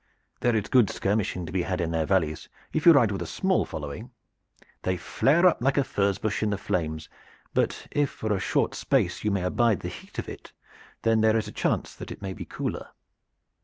"There is good skirmishing to be had in their valleys if you ride with a small following. They flare up like a furzebush in the flames, but if for a short space you may abide the heat of it, then there is a chance that it may be cooler."